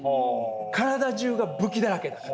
体中が武器だらけだから。